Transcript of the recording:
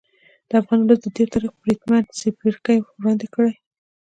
د افغان ولس د تېر تاریخ پرتمین څپرکی وړاندې کړي.